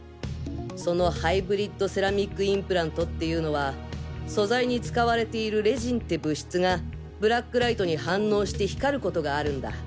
そのハイブリッドセラミックインプラントっていうのは素材に使われているレジンって物質がブラックライトに反応して光ることがあるんだ。